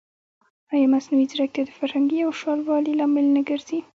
ایا مصنوعي ځیرکتیا د فرهنګي یوشان والي لامل نه ګرځي؟